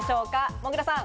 もぐらさん。